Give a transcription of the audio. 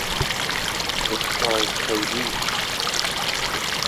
It stars k.d.